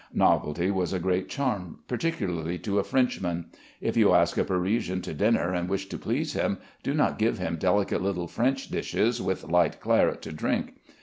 Novelty has a great charm, particularly to a Frenchman. If you ask a Parisian to dinner and wish to please him, do not give him delicate little French dishes, with light claret to drink.